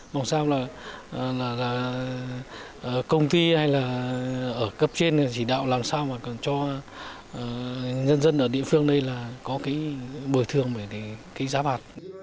làm sao là công ty hay là ở cấp trên chỉ đạo làm sao mà cần cho dân dân ở địa phương đây là có cái bồi thường cái giáp hạt